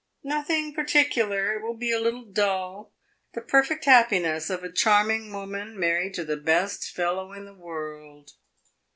"Nothing particular; it will be a little dull the perfect happiness of a charming woman married to the best fellow in the world."